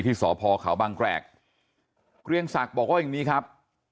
สพเขาบางแกรกเกรียงศักดิ์บอกว่าอย่างนี้ครับ